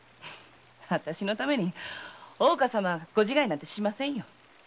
私のために大岡様はご自害などしませんよ。